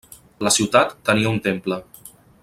La ciutat tenia un temple.